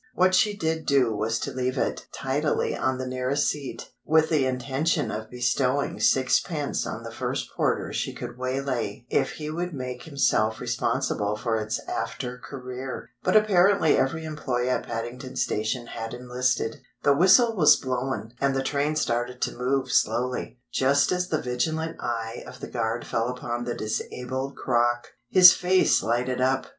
What she did do was to leave it tidily on the nearest seat, with the intention of bestowing sixpence on the first porter she could waylay if he would make himself responsible for its after career. But apparently every employee at Paddington Station had enlisted. The whistle was blown, and the train started to move slowly, just as the vigilant eye of the guard fell upon the disabled crock. His face lighted up.